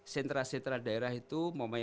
sentra sentra daerah itu